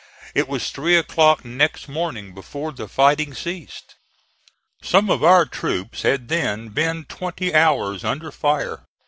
It was three o'clock next morning before the fighting ceased. Some of our troops had then been twenty hours under fire.